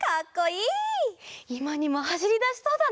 いまにもはしりだしそうだね！